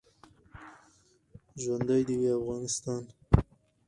ژوندۍ د وی افغانستان